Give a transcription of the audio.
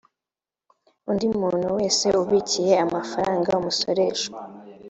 undi muntu wese ubikiye amafaranga umusoreshwa